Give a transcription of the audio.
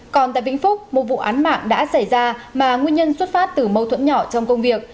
còn tại vĩnh phúc một vụ án mạng đã xảy ra mà nguyên nhân xuất phát từ mâu thuẫn nhỏ trong công việc